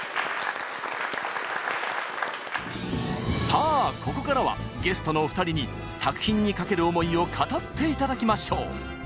さあここからはゲストのお二人に作品に懸ける思いを語って頂きましょう。